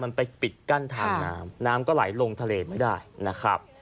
มันไปปิดกั้นทางน้ำน้ำก็ไหลลงทะเลไม่ได้นะครับ